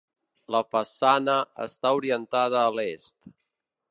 La façana està orientada a l'est.